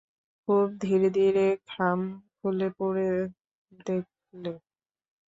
খুব ধীরে ধীরে খাম খুলে পড়ে দেখলে।